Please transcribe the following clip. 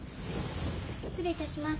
失礼いたします。